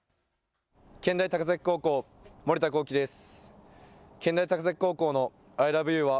健大高崎高校、森田光希です。